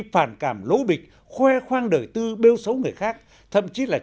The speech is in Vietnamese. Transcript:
phản cảm lố bịch khoe khoang đời tư xấu người khác thậm chí là